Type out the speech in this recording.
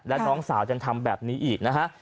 และน้องสาวยังทำแบบนี้อีกนะฮะ